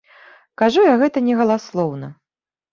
Кажу я гэта не галаслоўна.